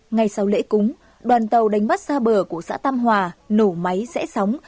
ngay sau lễ cúng đoàn tàu đánh bắt xa bờ của xã tam hòa nổ máy rẽ sóng